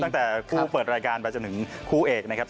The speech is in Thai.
ตั้งแต่คู่เปิดรายการไปจนถึงคู่เอกนะครับ